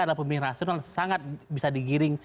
adalah pemilih rasional sangat bisa digiring